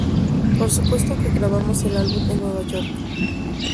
Por supuesto que grabamos el álbum en Nueva York.